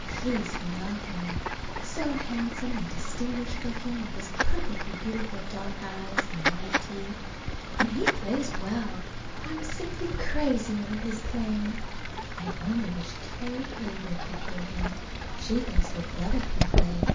He's lovely: so handsome and distinguished looking with his perfectly beautiful dark eyes and white teeth. And he plays well, I'm simply crazy over his playing. I only wish Carrie Heywood could hear him. She thinks her brother can play.